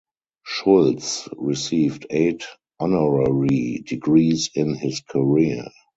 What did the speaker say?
Schultz received eight honorary degrees in his career.